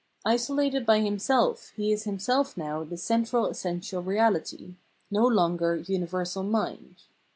Isolated by himself he is himself now the central essential reality — no longer universal mind.